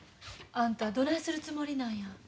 あんたどないするつもりなんや？